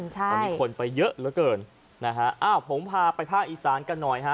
ตอนนี้คนไปเยอะเหลือเกินนะฮะอ้าวผมพาไปภาคอีสานกันหน่อยฮะ